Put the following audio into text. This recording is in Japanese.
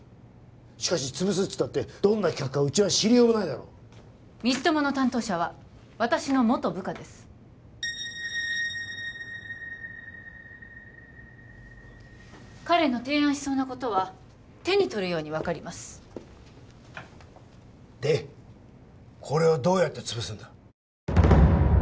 しかし潰すったってどんな企画かうちは知りようもないだろ光友の担当者は私の元部下です彼の提案しそうなことは手に取るように分かりますでこれをどうやって潰すんだ